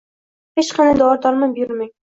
Hech qanday dori-dormon buyurmang